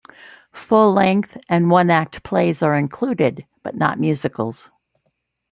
Full length and one act plays are included but not musicals.